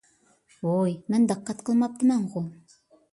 ۋوي مەن دىققەت قىلماپتىمەنغۇ؟